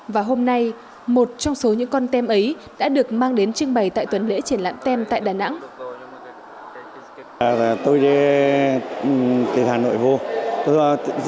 và hôm nay một trong số những con tem ấy đã được mang đến trưng bày tại tuần lễ triển lãm tem tại đà nẵng